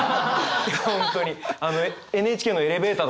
本当にＮＨＫのエレベーターの。